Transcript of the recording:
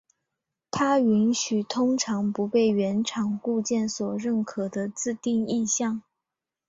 它允许通常不被原厂固件所认可的自定义项。